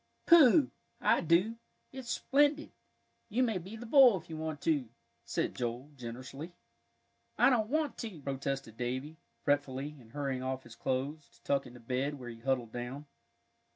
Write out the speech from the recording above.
"Pooh! I do; it's splendid! You may be the bull, if you want to," said Joel, generously. "I don't want to," protested Davie, fretfully, and hurrying off his clothes, to tuck into bed, where he huddled down.